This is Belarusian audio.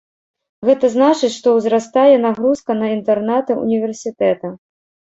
Гэта значыць, што ўзрастае нагрузка на інтэрнаты ўніверсітэта.